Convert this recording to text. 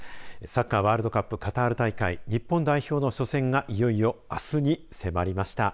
サッカーワールドカップカタール大会、日本代表の初戦がいよいよ、あすに迫りました。